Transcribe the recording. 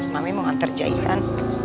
mami mau antar jahitan